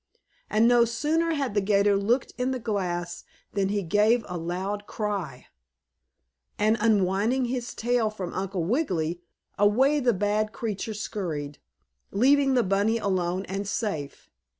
And, no sooner had the 'gator looked in the glass than he gave a loud cry, and, unwinding his tail from Uncle Wiggily, away the bad creature scurried, leaving the bunny alone and safe.